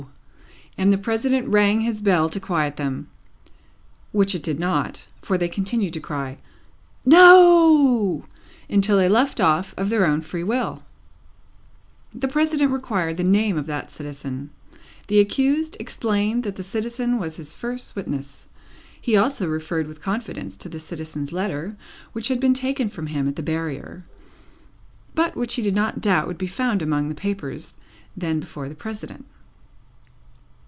and the President rang his bell to quiet them. Which it did not, for they continued to cry "No!" until they left off, of their own will. The President required the name of that citizen. The accused explained that the citizen was his first witness. He also referred with confidence to the citizen's letter, which had been taken from him at the Barrier, but which he did not doubt would be found among the papers then before the President.